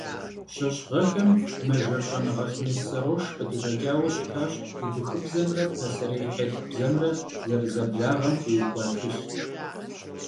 ЩэщӀ гъэхэм мэжэр щӀэныгъэлӀ Мессарош къыдигъэкӀауэ щытащ убыхыбзэмрэ пасэрей хьэт бзэмрэ зэрызэблагъэм теухуа тхылъ.